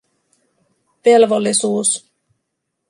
Velvollisuus.